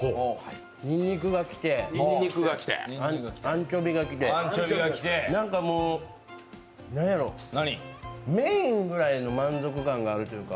にんにくがきてアンチョビがきてもう、なんやろメインぐらいの満足感があるというか。